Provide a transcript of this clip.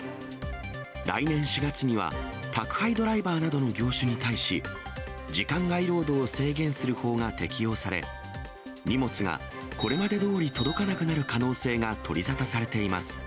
来年４月には宅配ドライバーなどの業種に対し、時間外労働を制限する法が適用され、荷物がこれまでどおり届かなくなる可能性が取り沙汰されています。